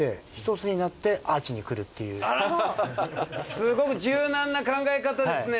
すごく柔軟な考え方ですね。